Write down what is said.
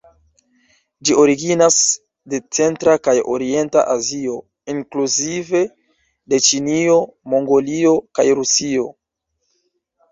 Ĝi originas de centra kaj orienta Azio, inkluzive de Ĉinio, Mongolio kaj Rusio.